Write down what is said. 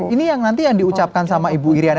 ini yang nanti yang diucapkan sama ibu iryana